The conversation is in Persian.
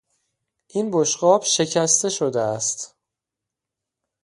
این بشقاب شکسته شده است.